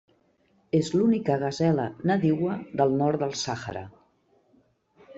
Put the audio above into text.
És l'única gasela nadiua del nord del Sàhara.